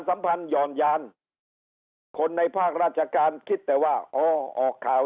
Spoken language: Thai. สัมพันธ์หย่อนยานคนในภาคราชการคิดแต่ว่าอ๋อออกข่าว